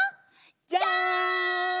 じゃん！